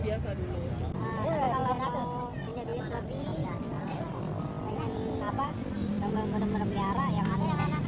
ini janggut hitam